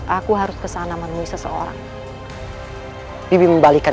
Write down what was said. tidak ada yang bisa kalian lakukan